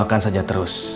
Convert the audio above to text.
doakan saja terus